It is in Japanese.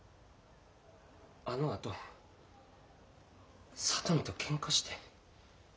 あのあと里美とケンカして。